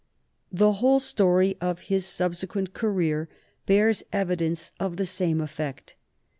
The whole story of his subsequent career bears evidence of the same effect.